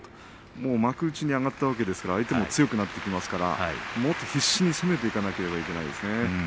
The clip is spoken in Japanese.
もう幕内に上がったわけですから相手も強くなっていきますからもっと必死で攻めていかなきゃいけないですね。